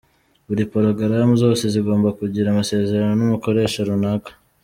Buri porogaramu zose zigomba kugira amasezerano n’umukoresha runaka.